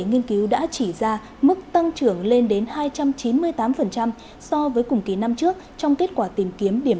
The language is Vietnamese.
nghiên cứu đã chỉ ra mức tăng trưởng lên đến hai trăm chín mươi tám so với cùng kỳ năm trước trong kết quả tìm kiếm điểm